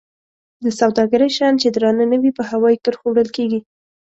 د سوداګرۍ شیان چې درانه نه وي په هوایي کرښو وړل کیږي.